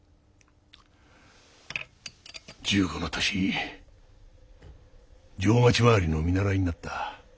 １５の年定町廻りの見習いになった。